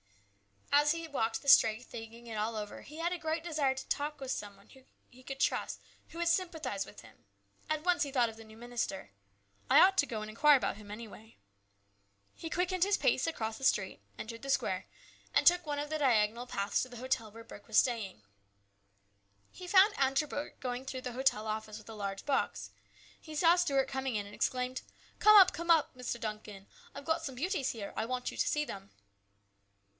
As he walked the street thinking it all over, he had a great desire to have a talk with some one he could trust who would sympathize with him. At once he thought of the new minister. " I ought to go and inquire about him, anyway." He quickened his pace across the street, entered the square, and took one of the diagonal paths to the hotel where Burke was staying. He found Andrew Burke going through the hotel A CHANGE. 109 office with a large box. He saw Stuart coming in, and exclaimed :" Come up ! come up, Mr. Duncan ! I've got some beauties here ; I want you to see them."